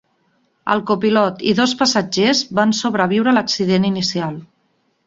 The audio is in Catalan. El copilot i dos passatgers van sobreviure l'accident inicial.